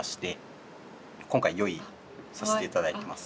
今回用意させて頂いてます。